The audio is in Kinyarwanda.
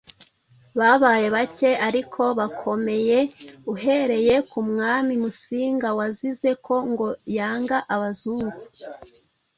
Babaye bake ariko bakomeye uhereye ku mwami Musinga wazize ko ngo yanga Abazungu